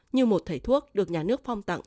như một thầy thuốc được nhà nước phong tặng